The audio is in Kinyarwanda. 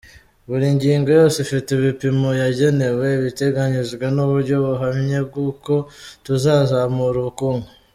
Buri ngingo yose ifite ibipimo yagenewe, ibiteganyijwe, n’uburyo buhamye bw’uko tuzazamura ubukungu.”